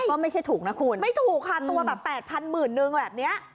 ก็ไม่ใช่ถูกนะคุณไม่ถูกค่ะตัวแบบแปดพันหมื่นนึงแบบเนี้ย